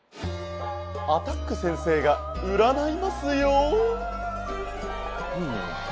アタック先生がうらないますよ。